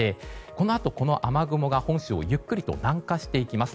このあと、この雨雲が本州をゆっくりと南下していきます。